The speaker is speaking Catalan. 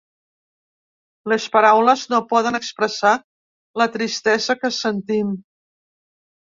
Les paraules no poden expressar la tristesa que sentim.